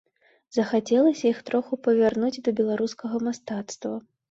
Захацелася іх троху павярнуць да беларускага мастацтва.